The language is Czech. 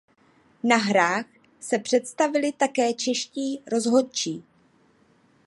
Na hrách se představili také čeští rozhodčí.